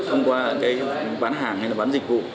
thông qua cái bán hàng hay là bán dịch vụ